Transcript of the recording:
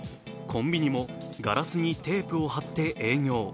コンビニもガラスにテープを貼って営業。